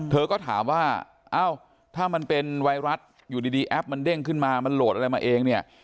เธอก็ถามว่าเอ้าถ้ามันเป็นไวรัสอยู่ดีแอปมันเด้งขึ้นมามันโหลดอะไรมาเองเนี่ย